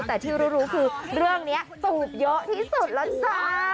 แต่ที่รู้คือเรื่องนี้สูตรเยอะที่สุดแล้วจ้า